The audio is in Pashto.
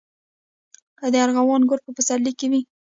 د ارغوان ګل په پسرلي کې وي